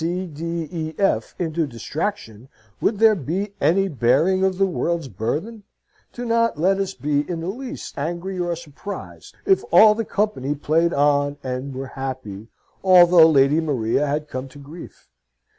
B, C, D, E, F, into distraction, would there be any bearing of the world's burthen? Do not let us be in the least angry or surprised if all the company played on, and were happy, although Lady Maria had come to grief.